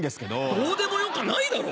どうでもよかないだろ！